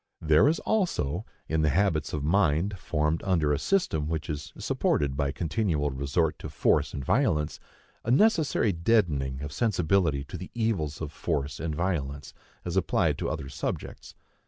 There is also, in the habits of mind formed under a system which is supported by continual resort to force and violence, a necessary deadening of sensibility to the evils of force and violence, as applied to other subjects.